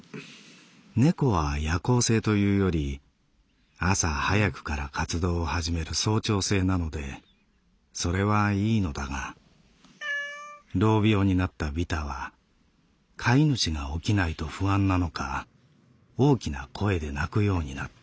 「猫は夜行性というより朝早くから活動を始める早朝性なのでそれはいいのだが老猫になったビタは飼い主が起きないと不安なのか大きな声で鳴くようになった」。